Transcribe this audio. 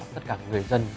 tất cả người dân